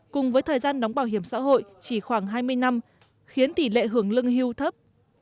cùng với thời gian đóng bảo hiểm xã hội chỉ khoảng hai mươi năm khiến tỷ lệ hưởng lương hưu thấp